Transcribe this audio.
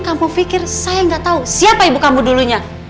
kamu pikir saya nggak tahu siapa ibu kamu dulunya